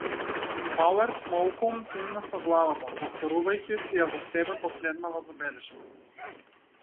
Пауерс молкум кимна со главата, повторувајќи си ја во себе последнава забелешка.